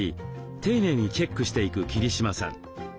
丁寧にチェックしていく桐島さん。